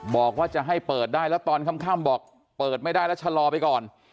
บอกว่าจะให้เปิดได้แล้วตอนค่ำบอกเปิดไม่ได้แล้วชะลอไปก่อน